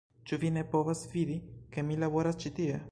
Ĉu vi ne povas vidi, ke mi laboras ĉi tie